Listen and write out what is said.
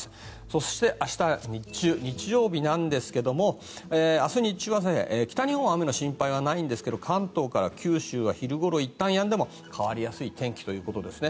そして日曜日ですが明日、日中は北日本は雨の心配がないですが関東から九州は、昼ごろいったんやんでも変わりやすい天気です。